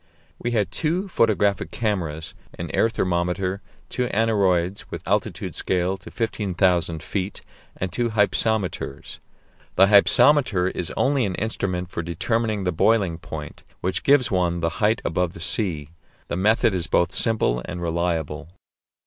We had two photographic cameras, an air thermometer, two aneroids with altitude scale to 15,000 feet, and two hypsometers. The hypsometer is only an instrument for determining the boiling point, which gives one the height above the sea. The method is both simple and reliable.